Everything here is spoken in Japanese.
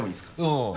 うん。